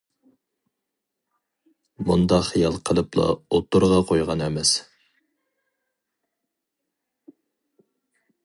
مۇنداق خىيال قىلىپلا ئوتتۇرىغا قويغان ئەمەس.